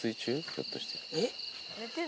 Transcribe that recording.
ひょっとして。